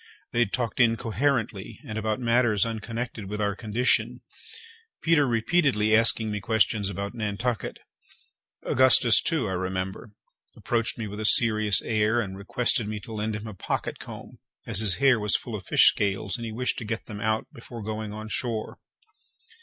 They talked incoherently, and about matters unconnected with our condition, Peters repeatedly asking me questions about Nantucket. Augustus, too, I remember, approached me with a serious air, and requested me to lend him a pocket comb, as his hair was full of fish scales, and he wished to get them out before going on shore.